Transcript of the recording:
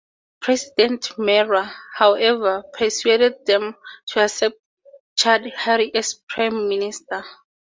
President Mara, however, persuaded them to accept Chaudhry as Prime Minister.